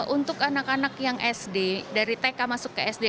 untuk anak anak yang sd dari tk masuk ke sd